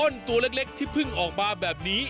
ตัวเล็กที่เพิ่งออกมาแบบนี้